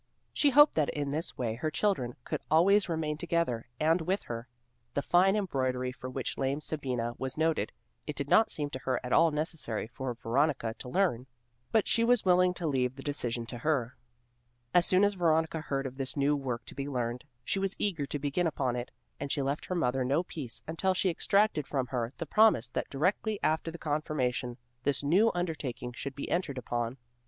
She hoped that in this way her children could always remain together and with her. The fine embroidery for which lame Sabina was noted, it did not seem to her at all necessary for Veronica to learn, but she was willing to leave the decision to her. As soon as Veronica heard of this new work to be learned, she was eager to begin upon it, and she left her mother no peace until she extracted from her the promise that directly after the confirmation, this new undertaking should be entered upon.